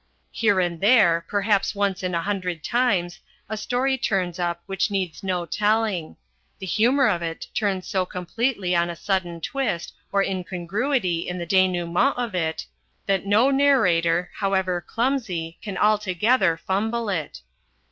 Here and there, perhaps once in a hundred times, a story turns up which needs no telling. The humour of it turns so completely on a sudden twist or incongruity in the denouement of it that no narrator, however clumsy, can altogether fumble it.